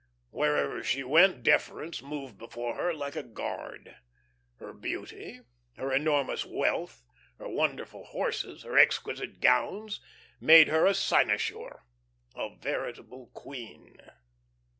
Wherever she went deference moved before her like a guard; her beauty, her enormous wealth, her wonderful horses, her exquisite gowns made of her a cynosure, a veritable queen.